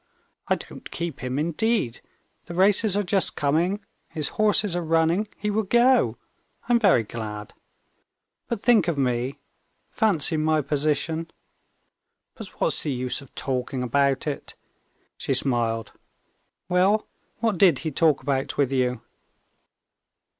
I don't keep him indeed. The races are just coming, his horses are running, he will go. I'm very glad. But think of me, fancy my position.... But what's the use of talking about it?" She smiled. "Well, what did he talk about with you?"